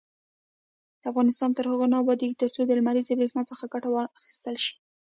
افغانستان تر هغو نه ابادیږي، ترڅو د لمریزې بریښنا څخه ګټه وانخیستل شي.